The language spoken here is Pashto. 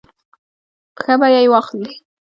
په ښه بیه یې واخلي.